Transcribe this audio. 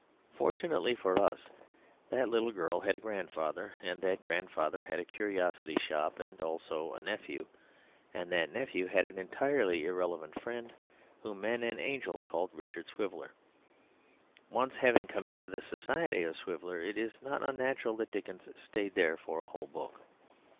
Fortunately for us that little girl had a grandfather, and that grandfather had a curiosity shop and also a nephew, and that nephew had an entirely irrelevant friend whom men and angels called Richard Swiveller. Once having come into the society of Swiveller it is not unnatural that Dickens stayed there for a whole book.